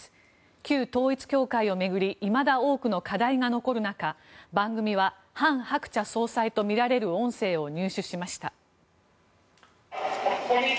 旧統一教会を巡りいまだ多くの課題が残る中番組は韓鶴子総裁とみられる音声を入手しました。